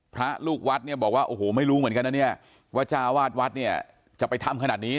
พระลูกวัดเนี่ยบอกว่าโอ้โหไม่รู้เหมือนกันนะเนี่ยว่าจ้าวาดวัดเนี่ยจะไปทำขนาดนี้